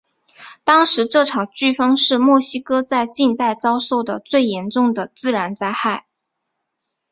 当时这场飓风是墨西哥在近代遭受的最严重的自然灾害。